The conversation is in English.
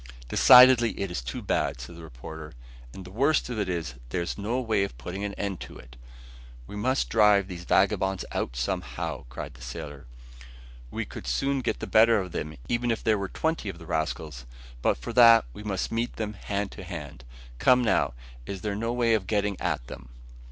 "Decidedly it is too bad," said the reporter; "and the worst of it is, there is no way of putting an end to it." "But we must drive these vagabonds out somehow," cried the sailor. "We could soon get the better of them, even if there are twenty of the rascals; but for that, we must meet them hand to hand. Come now, is there no way of getting at them?"